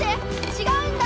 違うんだ！